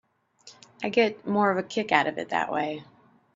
I get more of a kick out of it that way.